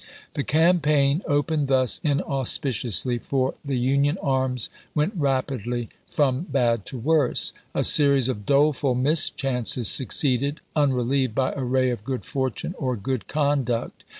The campaign, opened thus inauspiciously for the Union arms, went rapidly from bad to worse. A series of doleful mischances succeeded, unrelieved by a ray of good fortune or good conduct.